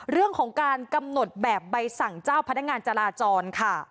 เรื่องของการกำหนดแบบใบสั่งเจ้าพนักงานจราจรค่ะ